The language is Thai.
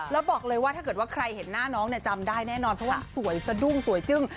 แล้วบอกเลยว่าถ้าเกิดว่าใครเห็นหน้าน้องเนี่ยจำได้แน่นอนเพราะว่าสวยสะดุ้งสวยจึ้ง